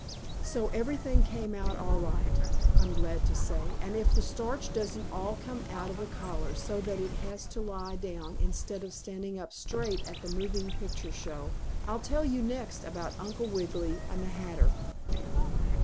So everything came out all right, I'm glad to say, and if the starch doesn't all come out of the collar so it has to lie down instead of standing up straight at the moving picture show, I'll tell you next about Uncle Wiggily and the Hatter.